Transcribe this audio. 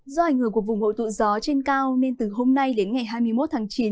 do ảnh hưởng của vùng hội tụ gió trên cao nên từ hôm nay đến ngày hai mươi một tháng chín